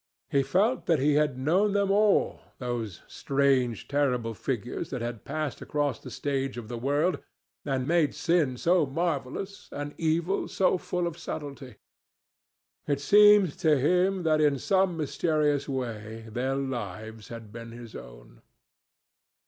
He felt that he had known them all, those strange terrible figures that had passed across the stage of the world and made sin so marvellous and evil so full of subtlety. It seemed to him that in some mysterious way their lives had been his own.